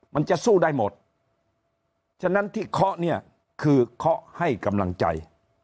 มันจะสู้ได้หมดฉะนั้นที่เคาะเนี่ยคือเคาะให้กำลังใจ